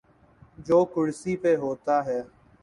جو کرسی پہ ہوتا ہے۔